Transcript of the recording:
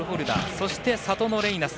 そしてサトノレイナス。